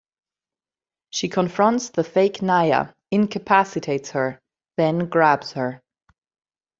She confronts the fake Naia, incapacitates her, then grabs her.